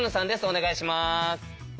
お願いします。